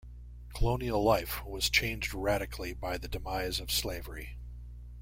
Colonial life was changed radically by the demise of slavery.